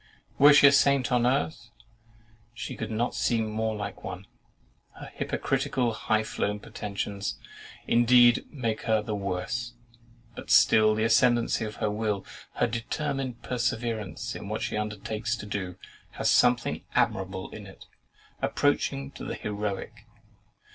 Were she a saint on earth, she could not seem more like one. Her hypocritical high flown pretensions, indeed, make her the worse: but still the ascendancy of her will, her determined perseverance in what she undertakes to do, has something admirable in it, approaching to the heroic.